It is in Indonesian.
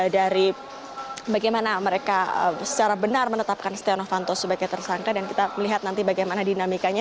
dari bagaimana mereka secara benar menetapkan setia novanto sebagai tersangka dan kita melihat nanti bagaimana dinamikanya